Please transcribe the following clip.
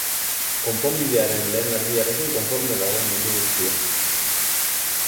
Konponbidearen lehen erdiarekin konforme dago mundu guztia.